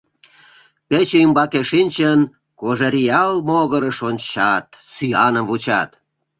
Пече ӱмбаке шинчын, Кожеръял могырыш ончат, сӱаным вучат.